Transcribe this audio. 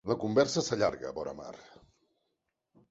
La conversa s'allarga, vora mar.